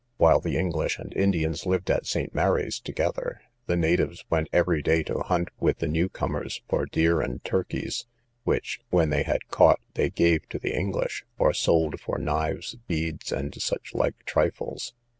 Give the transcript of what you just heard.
While the English and Indians lived at St. Mary's together, the natives went every day to hunt with the new comers for deer and turkeys, which, when they had caught, they gave to the English, or sold for knives, beads, and such like trifles.